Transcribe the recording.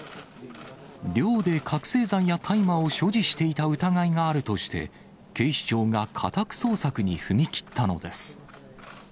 寮で覚醒剤や大麻を所持していた疑いがあるとして、警視庁が家宅捜索に踏み切ったのです。